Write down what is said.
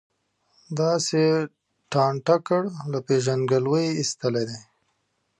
داسې یې ټانټه کړ، له پېژندګلوۍ یې ایستلی دی.